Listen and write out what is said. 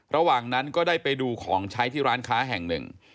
ระหว่างนั้นก็ได้ไปดูของใช้ที่ร้านค้าแห่งหนึ่ง